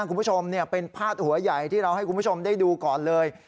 คุณผู้ชมเป็นพาดหัวใหญ่ที่เราให้คุณผู้ชมได้ดูก่อนเลย